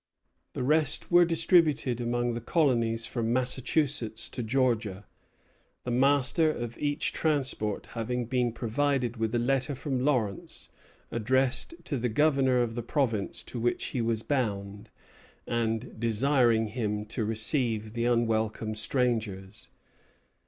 The rest were distributed among the colonies from Massachusetts to Georgia, the master of each transport having been provided with a letter from Lawrence addressed to the Governor of the province to which he was bound, and desiring him to receive the unwelcome strangers.